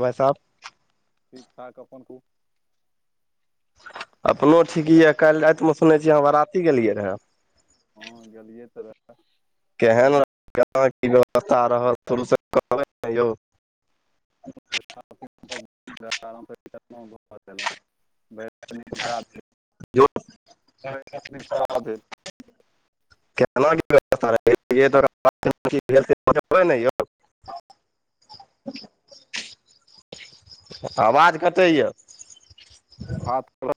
भाई सब। ठीक ठाक अपन कहू अपनो ठीक यऽ काल्हि रातिमे सुनैत छी आहा बारती गेलियै रहए हँ गेलियै तऽ लेकिन केहनाँ की व्यवस्था रहत शुरूसँ कहबै ने केलो प्रस्थापित आाम [inaudible] हेलो [inaudible] [unintelligible] केना की व्यवस्थाबै ने यौ [inaudible] [inaudible] आवाज कटेय [inaudible]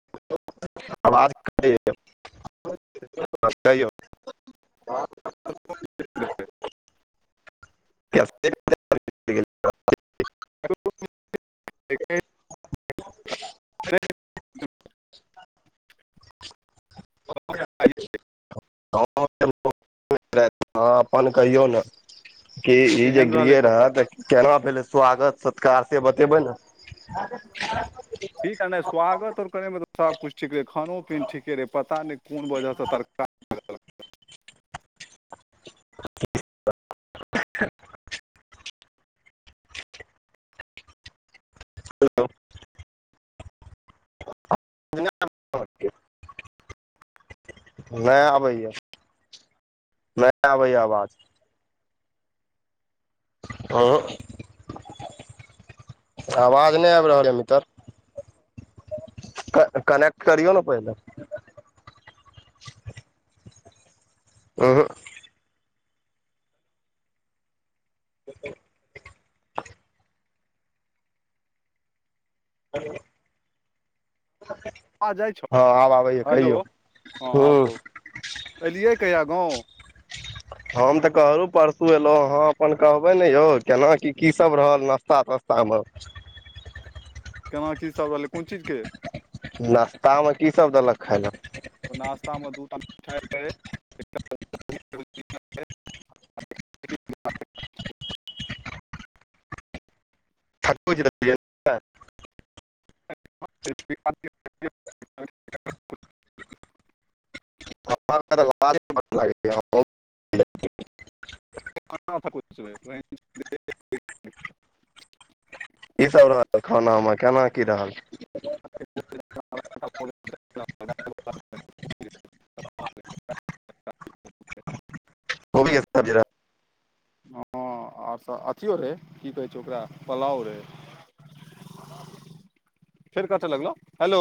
आवाज कहिौ [inaudible] से [unintelligible] हो [inaudible] ह [inaudible] हँ अपन कहियौ ने [unintelligible] कि ई जे केहन रहलै गेलियै रहऽ सफर तऽ केना भेले स्वागत सत्कार से बतेबै ने अच्छा [inaudible] ठीक है न स्वागत और करे मे त सब कुछ ठीक रहे, खानो पीन ठीके रहे, पता नै कोन वजह से तरकार [inaudible] हेलो। [unintelligible] नहि आबैएा नहि आबैए आवाज आँ। आवाज नै आबि रहल ए मितर कनेक करियौ ने पहिले उंहुं। [inaudible] हलो। आ जाइ छ, हेलो हँ आब हूँ कहु, एलियै कहिया गाँव हम त कहलहु परसु एलहु हें अपन कहबै ने यौ केना की, की सब रहल नास्ता तस्ता पाम [unintelligible] केना की सब रहलै, कोन चीज के नाश्तामे की सब देलक खाय ले ओ नश्तामे दूटा छठोज [unintelligible] [inaudible] [inaudible] म [unintelligible] [unintelligible] की सब रहल खानामे केना की रहल रहै ओ भी अ ज [unintelligible] हं। और सभ अथियो रहै की कहै छै ओकरा पुलाव रहै। फेर कत लगलौं हेलो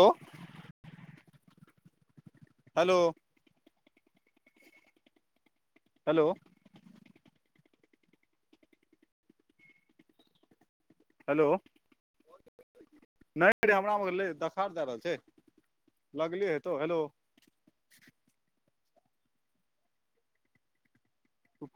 हेलो। हेलो। हेलो। नहि ते हमरा मे देखार दए रहल छै। लगले हेतौ हेलो।